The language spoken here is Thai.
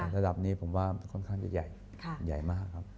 ระดับนี้ผมว่าค่อนข้างจะใหญ่ใหญ่มากครับ